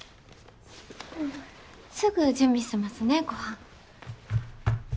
すぐ準備しますねご飯。